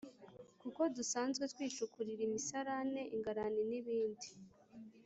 kuko dusanzwe twicukurira imisarane, ingarani n’ibindi.